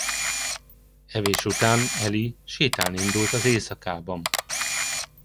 Evés után Eli sétálni indul az éjszakában.